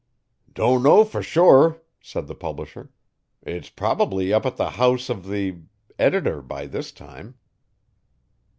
'Don't know for sure,' said the publisher, 'it's probably up at the house of the editor by this time.